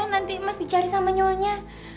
nanti mas dicari sama nyonya